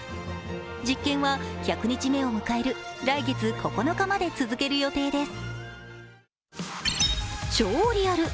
実験は１００日目を迎える来月９日まで続ける予定です。